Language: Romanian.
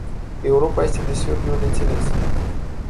Europa este deseori greu de înțeles.